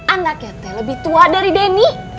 anaknya teh lebih tua dari denny